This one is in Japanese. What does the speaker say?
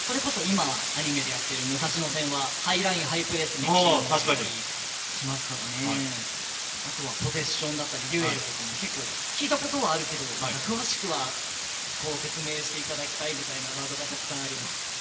それこそ今やっている武蔵野戦はハイラインハイプレスのチームですしあとはポゼッションだったりデュエルだったりとかも結構、聞いたことはあるけど詳しくは説明していただきたいみたいなワードがたくさんあります。